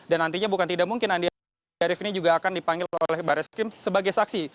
dan nantinya bukan tidak mungkin andi arief ini juga akan dipanggil oleh baris krim sebagai saksi